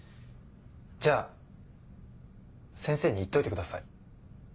じゃあ先生に言っといてください。